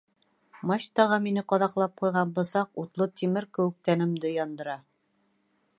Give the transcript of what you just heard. Мачтаға мине ҡаҙаҡлап ҡуйған бысаҡ, утлы тимер кеүек, тәнемде яндыра.